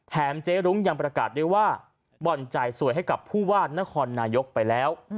เจ๊รุ้งยังประกาศด้วยว่าบ่อนจ่ายสวยให้กับผู้ว่านครนายกไปแล้ว